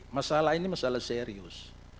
masalah ini masalah serius